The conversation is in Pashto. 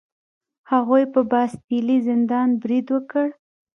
هغوی په باستیلي زندان برید وکړ.